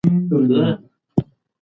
ګړه له ستوني څخه راوزي؟